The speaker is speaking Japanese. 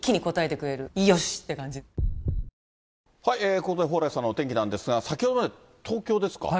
ここで蓬莱さんのお天気なんですが、先ほどまで東京ですか。